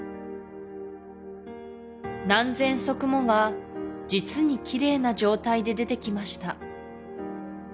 何千足もが実にキレイな状態で出てきました